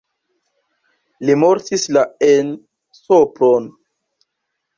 Li mortis la en Sopron.